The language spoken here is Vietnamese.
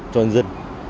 cho nhân dân